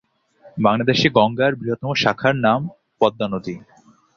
বাংলাদেশের গঙ্গা বৃহত্তম শাখার নাম পদ্মা নদী।